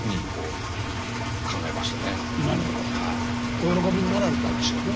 お喜びになられたでしょうね。